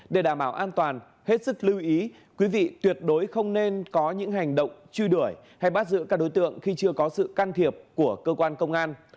để đảm bảo an toàn hết sức lưu ý quý vị tuyệt đối không nên có những hành động truy đuổi hay bắt giữ các đối tượng khi chưa có sự can thiệp của cơ quan công an